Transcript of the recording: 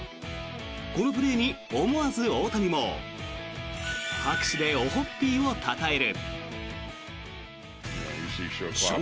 このプレーに思わず大谷も拍手でオホッピーをたたえる。